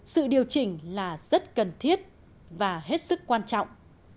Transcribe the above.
sự điều chỉnh là rất cần thiết và hết sức quan trọng